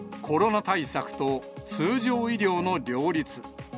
コロナ対策と通常医療の両立。